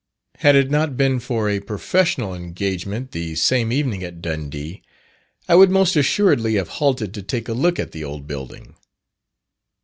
Had it not been for a "professional" engagement the same evening at Dundee, I would most assuredly have halted to take a look at the old building.